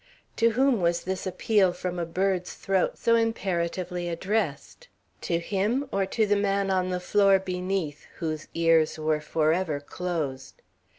To whom was this appeal from a bird's throat so imperatively addressed? To him or to the man on the floor beneath, whose ears were forever closed?